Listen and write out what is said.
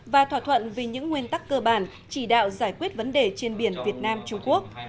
và thỏa thuận vì những nguyên tắc cơ bản chỉ đạo giải quyết vấn đề trên biển việt nam trung quốc